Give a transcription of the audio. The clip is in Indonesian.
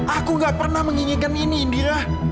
aku gak pernah menginginkan ini indira